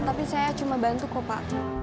tapi saya cuma bantu kok pak